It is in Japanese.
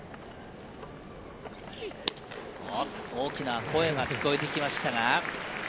大きな声が聞こえてきました。